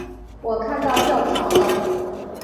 我看到吊桥了